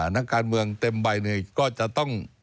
นักการเมืองเต็มใบเนี่ยก็จะต้อง